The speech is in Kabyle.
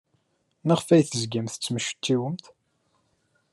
Maɣef ay tezgamt tettmecčiwemt?